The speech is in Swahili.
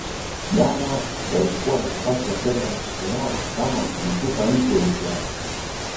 ghana walikuwa na nafasi ya kwenda nusu fainali kama wangaitupa nje uruguay